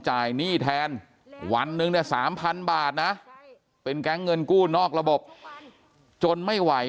หนี้แทนวันนึงได้๓๐๐๐บาทนะเป็นการเงินกู้นอกระบบจนไม่ไหว